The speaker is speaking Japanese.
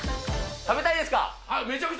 食べたいです。